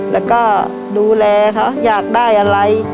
แล้วก็ดูแลเขาอยากได้อะไร